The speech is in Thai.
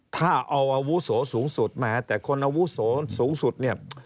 ถ้าเอาอาวุโสสูงสุดแม้แต่คนอาวุโสสูงสุดเนี่ย